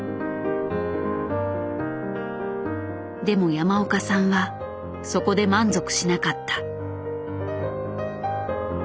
でも山岡さんはそこで満足しなかった。